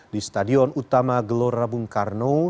di stadion utama gelora bung karno